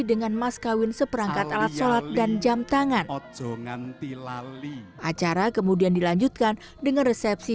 dengan mas kawin seperangkat alat shalat dan jam tangan acara kemudian dilanjutkan dengan resepsi